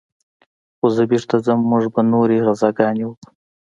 خو زه بېرته ځم موږ به نورې غزاګانې وكو.